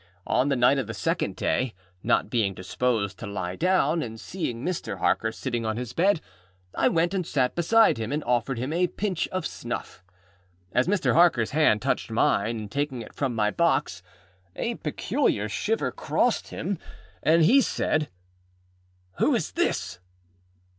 On the night of the second day, not being disposed to lie down, and seeing Mr. Harker sitting on his bed, I went and sat beside him, and offered him a pinch of snuff. As Mr. Harkerâs hand touched mine in taking it from my box, a peculiar shiver crossed him, and he said, âWho is this?